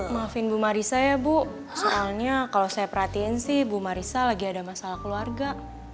maafin bu marisa ya bu soalnya kalau saya perhatiin sih bu marisa lagi ada masalah keluarga